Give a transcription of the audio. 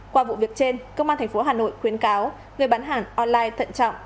qua vụ việc trên công an thành phố hà nội khuyến cáo người bán hàng online thận trọng